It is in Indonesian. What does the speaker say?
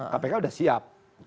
kpk udah siap